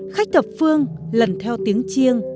khách thập phương lần theo tiếng chiêng